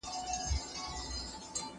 که ته مرسته وکړې، زه به دا کار بشپړ کړم.